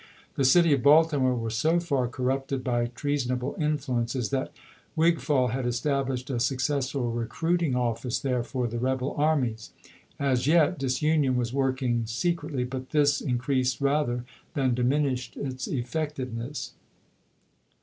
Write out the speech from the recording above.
The city of Baltimore was so far corrupted by treason "^r^iker? able influences that Wigfall had estabhshed a sue ^'^w^ r^.^'^^* cessful recruiting office there for the rebel armies. voLilp'^^ii As yet, disunion was working secretly; but this increased rather than diminished its effectiveness.